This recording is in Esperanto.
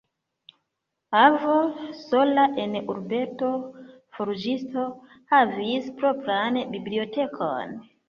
Avo, sola en urbeto forĝisto, havis propran bibliotekon.